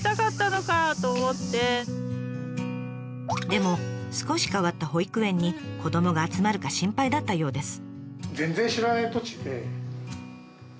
でも少し変わった保育園に子どもが集まるか心配だったようです。